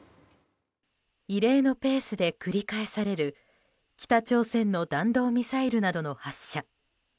異例のペースで繰り返される北朝鮮の弾道ミサイルなどの発射。